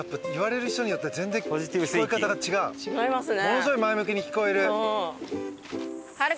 違いますね。